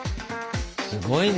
すごいね。